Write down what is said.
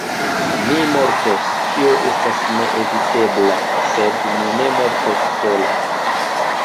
Mi mortos; tio estas neevitebla: sed mi ne mortos sola.